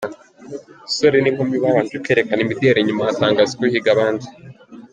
Abasore n'inkumi babanje kwerekana imideri nyuma hatangazwa uhiga abandi.